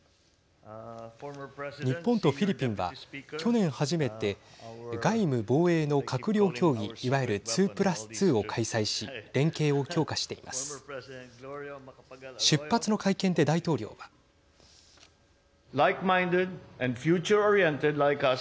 日本とフィリピンは去年初めて外務・防衛の閣僚協議いわゆる２プラス２を開催し連携を強化しています。